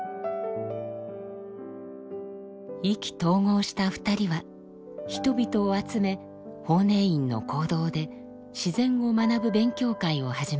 意気投合した２人は人々を集め法然院の講堂で自然を学ぶ勉強会を始めました。